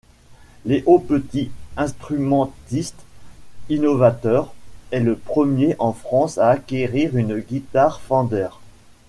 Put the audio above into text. Léo Petit, instrumentiste innovateur, est le premier en France à acquérir une guitare Fender.